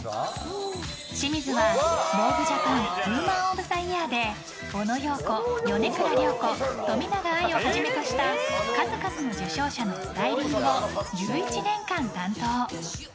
清水はＶＯＧＵＥＪＡＰＡＮＷｏｍｅｎＯｆＴｈｅＹｅａｒでオノ・ヨーコ、米倉涼子冨永愛をはじめとした数々の受賞者のスタイリングを１１年間担当。